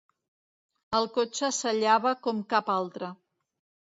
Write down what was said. El cotxe sallava com cap altre.